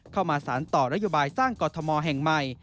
เข้ามาสารต่อนโยบายสร้างกรทมแห่งใหม่